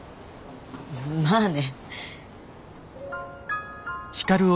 まあね。